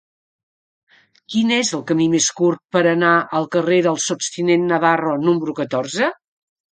Quin és el camí més curt per anar al carrer del Sots tinent Navarro número catorze?